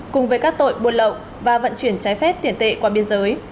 cùng với các tội buôn lậu và vận chuyển trái phép tiền tệ qua biên giới